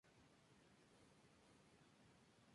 La construcción es de estilo neoclásico.